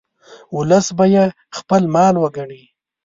ولس به یې خپل مال وګڼي.